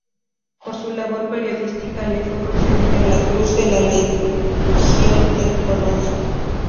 Por su labor periodística le fue concedida la cruz de la Legión de Honor.